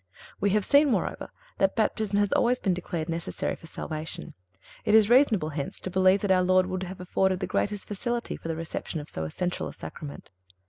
We have seen, moreover, that Baptism has always been declared necessary for salvation. It is reasonable, hence, to believe that our Lord would have afforded the greatest facility for the reception of so essential a Sacrament.